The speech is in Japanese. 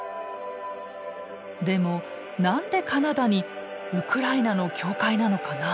でも何でカナダにウクライナの教会なのかな？